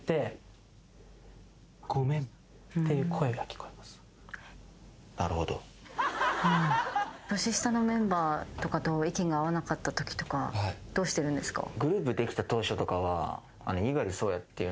［そして］年下のメンバーとかと意見が合わなかったときとかどうしてるんですか？